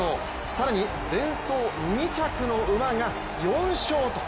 更に、前走２着の馬が４勝と。